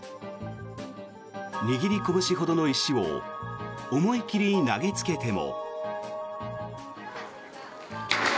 握りこぶしほどの石を思い切り投げつけても。